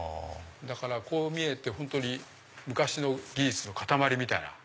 だからこう見えて本当に昔の技術の塊みたいな。